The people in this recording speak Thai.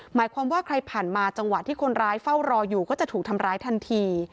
หมายความว่าใครผ่านมาจังหวะที่คนร้ายเฝ้ารออยู่ก็จะถูกทำร้ายทันที